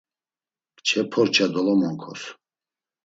Kçe porça dolomonkos.